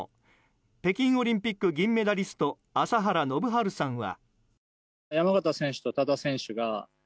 北京オリンピック銀メダリスト朝原宣治さんは。